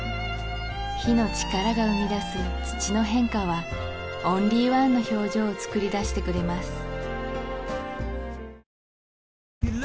火の力が生み出す土の変化はオンリーワンの表情を作り出してくれます